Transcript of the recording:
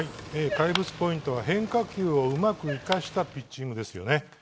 怪物ポイントは変化球をうまく生かしたピッチングですね。